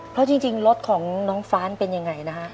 เพราะจริงรถของน้องฟ้านเป็นยังไงนะฮะ